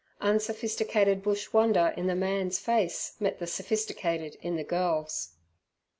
Unsophisticated bush wonder in the man's face met the sophisticated in the girl's.